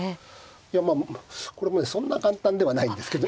いやまあこれもねそんな簡単ではないんですけど。